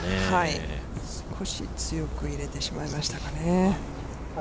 少し強く入れてしまいましたかね。